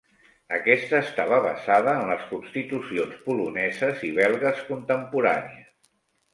Aquesta estava basada en les constitucions poloneses i belgues contemporànies.